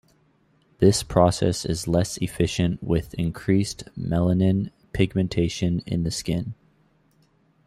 This process is less efficient with increased melanin pigmentation in the skin.